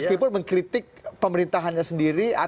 meskipun mengkritik pemerintahannya sendiri